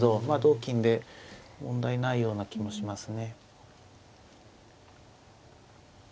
まあ同金で問題ないような気もしますね。